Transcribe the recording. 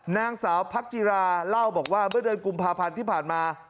นางสาวพักจิราเล่าบอกว่าเมื่อเดือนกุมภาพันธ์ที่ผ่านมา